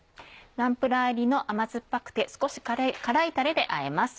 ナンプラー入りの甘酸っぱくて少し辛いタレであえます。